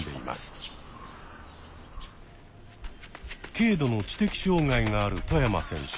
軽度の知的障害がある外山選手。